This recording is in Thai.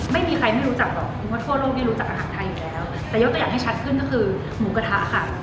ไม่มีใครทั่วโลกไม่รู้จักอาหารไทยอยู่แล้วแต่ยกตัวอย่างให้ชัดขึ้นก็คือหมูกระทะค่ะ